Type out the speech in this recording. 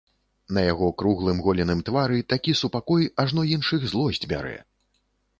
На яго круглым голеным твары такі супакой, ажно іншых злосць бярэ.